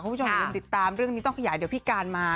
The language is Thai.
กับเด็กถ่ายในโซเชียงที่จะเป็นอย่างนั้นก็คิดว่า